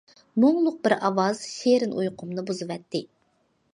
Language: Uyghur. مۇڭلۇق بىر ئاۋاز شېرىن ئۇيقۇمنى بۇزۇۋەتتى.